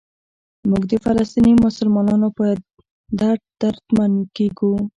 موږ د فلسطیني مسلمانانو په درد دردمند کېږو.